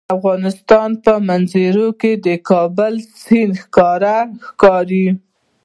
د افغانستان په منظره کې د کابل سیند ښکاره ښکاري.